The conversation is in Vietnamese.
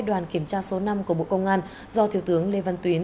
đoàn kiểm tra số năm của bộ công an do thiếu tướng lê văn tuyến